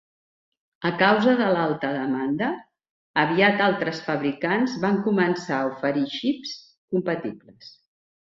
A causa de l'alta demanda, aviat altres fabricants van començar a oferir xips compatibles.